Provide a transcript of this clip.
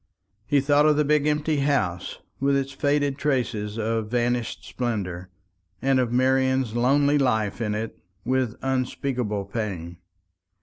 He thought of the big empty house, with its faded traces of vanished splendour, and of Marian's lonely life in it, with unspeakable pain.